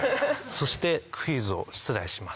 そしてクイズを出題します。